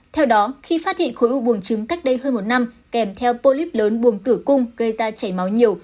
theo đó khi phát hiện khối u buồng trứng cách đây hơn một năm kèm theo polyp lớn buồng tử cung gây ra chảy máu nhiều